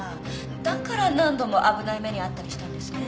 だから何度も危ない目に遭ったりしたんですね。